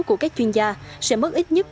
của các chuyên gia sẽ mất ít nhất